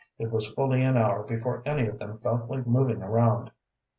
It was fully an hour before any of them felt like moving around.